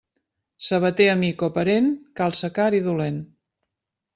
Sabater amic o parent, calça car i dolent.